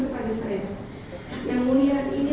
kepada saya yang mulia ini